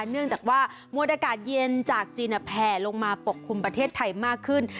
เนื่องจากว่ามวลอากาศเย็นจากจีนแผ่ลงมาปกคลุมประเทศไทยมากขึ้น